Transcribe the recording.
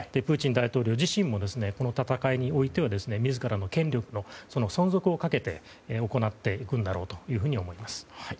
プーチン大統領自身もこの戦いにおいては自らの権力の存続をかけて行っていくんだろうと思います。